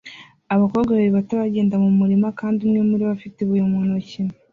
Abakobwa babiri bato bagenda mu murima kandi umwe muri bo afite ibuye mu ntoki